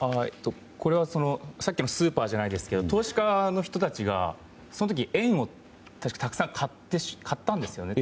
これはさっきのスーパーじゃないですけど投資家の人たちが、その時に円をたくさん買ったんですよね。